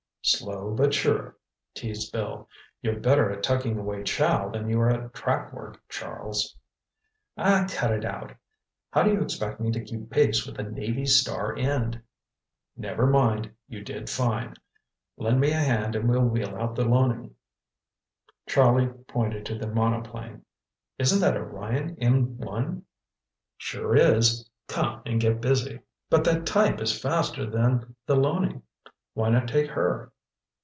"Slow but sure," teased Bill. "You're better at tucking away chow than you are at track work, Charles." "Aw, cut it out! How do you expect me to keep pace with the Navy's star end?" "Never mind, you did fine. Lend me a hand and we'll wheel out the Loening." Charlie pointed to the monoplane. "Isn't that a Ryan M 1?" "Sure is. Come and get busy." "But that type is faster that the Loening. Why not take her?"